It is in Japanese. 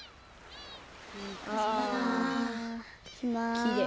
きれい。